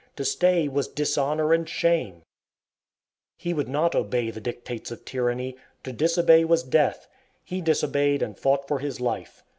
To stay was dishonor and shame! He would not obey the dictates of tyranny. To disobey was death. He disobeyed and fought for his life.